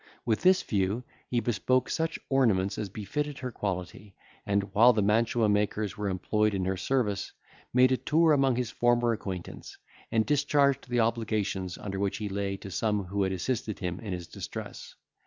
With this view he bespoke such ornaments as befitted her quality, and, while the mantua makers were employed in her service, made a tour among his former acquaintance, and discharged the obligations under which he lay to some who had assisted him in his distress.